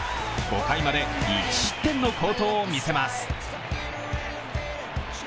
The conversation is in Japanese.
５回まで１失点の好投を見せます。